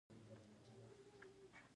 ایا ستاسو غږ به ثبت شي؟